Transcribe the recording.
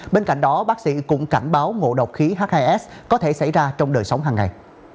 bên cạnh đó bác sĩ cũng cảnh báo ngộ độc khí h hai s có thể xảy ra trong đời sống hàng ngày